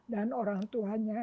dan orang tuanya